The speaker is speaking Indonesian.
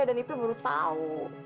dan ipe baru tahu